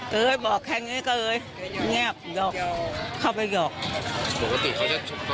เลยบอกแค่งี้เลยเงียบหยอกเข้าไปหยอกปกติเขาจะ